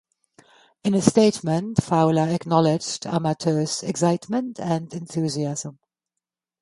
In a statement, Fowler acknowledged Amato's excitement and enthusiasm.